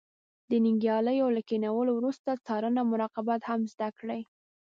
د نیالګیو له کینولو وروسته څارنه او مراقبت هم زده کړئ.